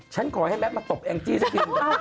ฉันขอให้แมดมาตบแองจี่ซะกิน